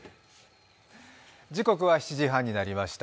時刻は７時半になりました。